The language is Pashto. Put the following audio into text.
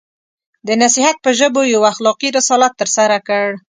د نصیحت په ژبه یو اخلاقي رسالت ترسره کړ.